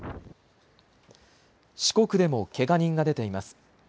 四国でも、けが人が出ています。